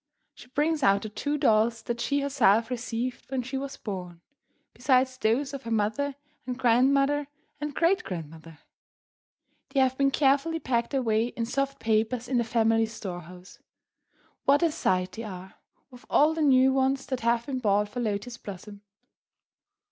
She brings out the two dolls that she herself received when she was born, besides those of her mother and grandmother and great grandmother! They have been carefully packed away in soft papers in the family storehouse. What a sight they are, with all the new ones that have been bought for Lotus Blossom.